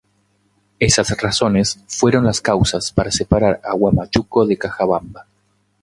Esas razones fueron las causas para separar a Huamachuco de Cajabamba.